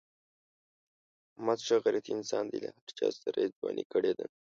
احمد ښه غیرتی انسان دی. له هر چاسره یې ځواني کړې ده.